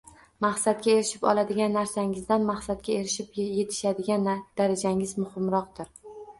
Maqsadga erishib oladigan narsangizdan maqsadga erishib yetishadigan darajangiz muhimroqdir